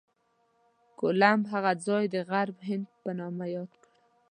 کولمب هغه ځای د غرب هند په نامه یاد کړ.